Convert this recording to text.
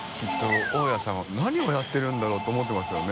大谷さんは何をやってるんだろうって思ってますよね。